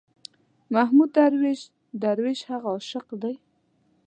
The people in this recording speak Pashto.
محمود درویش، درویش هغه عاشق دی.